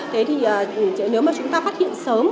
thế thì nếu mà chúng ta phát hiện sớm